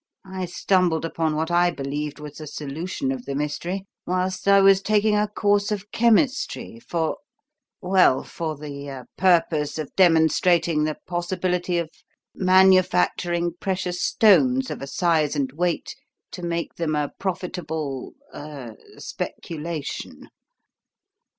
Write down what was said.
I stumbled upon what I believed was the solution of the mystery whilst I was taking a course of chemistry for well, for the purpose of demonstrating the possibility of manufacturing precious stones of a size and weight to make them a profitable er speculation.